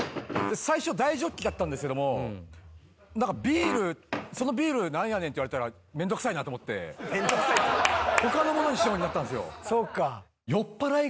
「最初大ジョッキだったんですけどもなんかそのビールなんやねんって言われたら面倒くさいなと思って」「他の物にしちゃおうになったんですよ」